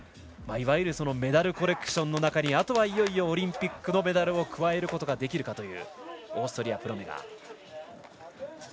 いわゆるメダルコレクションの中にあとはいよいよオリンピックのメダルを加えることができるかというオーストリアのプロメガー。